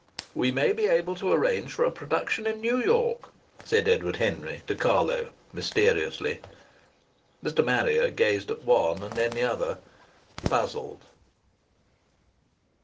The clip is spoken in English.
"We may be able to arrange for a production in New York," said Edward Henry to Carlo, mysteriously. Mr. Marrier gazed at one and then at the other, puzzled.